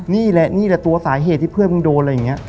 นี่แหละนี่แหละตัวสาเหตุที่เพื่อนมึงโดนอะไรอย่างนี้